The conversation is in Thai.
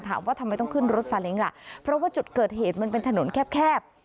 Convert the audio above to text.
ถามว่าทำไมต้องขึ้นรถซาเล้งล่ะเพราะว่าจุดเกิดเหตุมันเป็นถนนแคบ